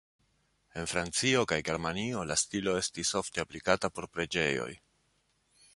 En Francio kaj Germanio la stilo estis ofte aplikata por preĝejoj.